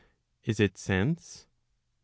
Is it sense ?